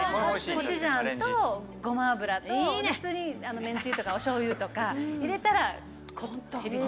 コチュジャンとごま油とめんつゆとかおしょうゆとか入れたらこってり。